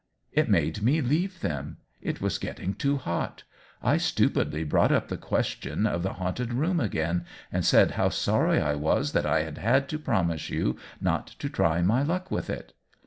It made me leave them ; it was getting too hot. I stupidly brought up the question of the haunted room again, and said how sorry I was that I had had to promise you not to try my luck with it."